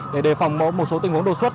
để đề phòng một số tình huống đột xuất